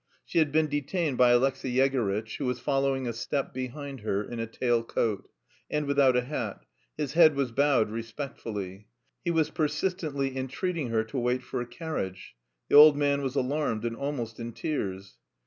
She had been detained by Alexey Yegorytch, who was following a step behind her, in a tail coat, and without a hat; his head was bowed respectfully. He was persistently entreating her to wait for a carriage; the old man was alarmed and almost in tears.